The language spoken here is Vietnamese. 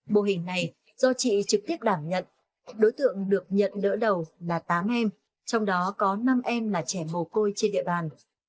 mô hình này do chị trực tiếp đảm nhận đối tượng được nhận đỡ đầu là tám em trong đó có năm em là trẻ mồ côi trên địa bàn